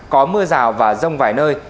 có mưa rào và rông vài nơi